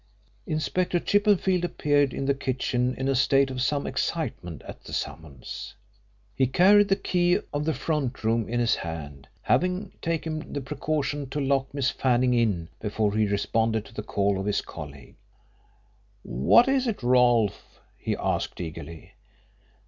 Inspector Chippenfield appeared in the kitchen in a state of some excitement at the summons. He carried the key of the front room in his hand, having taken the precaution to lock Miss Fanning in before he responded to the call of his colleague. "What is it, Rolfe?" he asked eagerly.